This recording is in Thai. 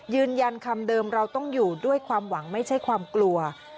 ยืนยันคำเดิมเราต้องอยู่ด้วยความหวังไม่ใช่ความกลัว